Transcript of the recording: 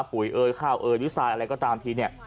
ปุ๋ยเอ่ยข้าวเอ่ยหรือทรายอะไรก็ตามทีเนี่ย